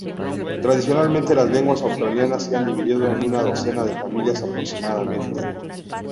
Tradicionalmente, las lenguas australianas se han dividido en una docena de familias aproximadamente.